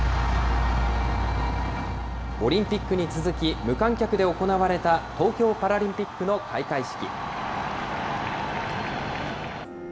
オリンピックに続き、無観客で行われた、東京パラリンピックの開会式。